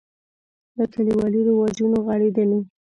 له کلیوالي رواجونو غړېدلی.